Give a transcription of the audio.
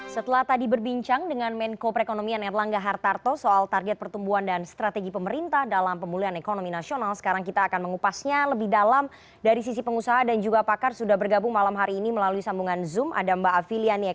selamat malam mbak ariadi